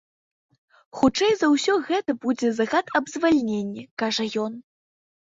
Хутчэй за ўсё гэта будзе загад аб звальненні, кажа ён.